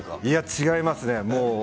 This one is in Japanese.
いや、違いますね。